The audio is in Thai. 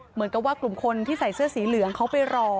เหมือนกับว่ากลุ่มคนที่ใส่เสื้อสีเหลืองเขาไปรอ